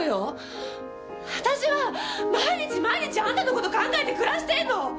私は毎日毎日あんたの事考えて暮らしてるの！